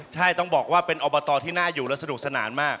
ใช่ต้องบอกว่าเป็นอบตที่น่าอยู่และสนุกสนานมาก